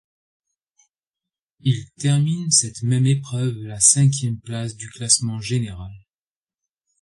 Il termine cette même épreuve la cinquième place du classement général.